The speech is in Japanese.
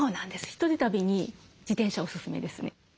１人旅に自転車おすすめですね。